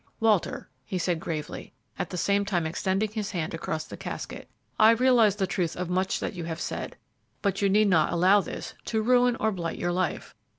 "Walter," he said, gravely, at the same time extending his hand across the casket, "I realize the truth of much that you have said, but you need not allow this to ruin or blight your life.